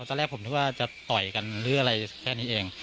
พอตั้งแต่เรียกผมจะต่อยกันอะไรแค่นี้เอง